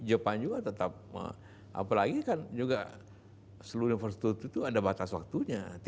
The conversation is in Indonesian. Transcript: jepang juga tetap apalagi kan juga seluruh infrastruktur itu ada batas waktunya